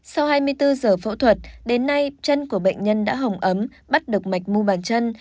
sau hai mươi bốn giờ phẫu thuật đến nay chân của bệnh nhân đã hồng ấm bắt được mạch mu bàn chân